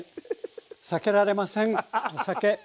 さけられませんお酒。